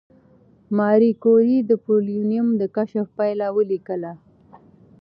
ماري کوري د پولونیم د کشف پایله ولیکله.